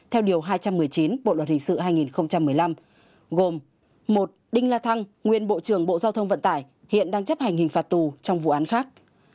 theo điều hai trăm một mươi chín bộ luật hình sự hai nghìn một mươi năm gồm một đinh la thăng nguyên bộ trưởng bộ giao thông vận tải hiện đang chấp hành hình phạt tù trong vụ án khác